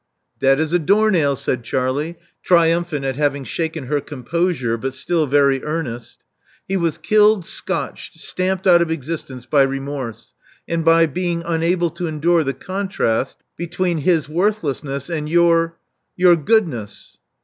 '*Dead as a doornail," said Charlie, triumphant at having shaken her composure, but still very earnest. IIc was killed, scotched, stamped out of existence by remorse, and by being unable to endure the contrast between his worthlessness and your — ^your goodness.